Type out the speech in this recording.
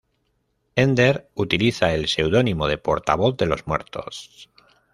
Ender utiliza el seudónimo de Portavoz de los muertos.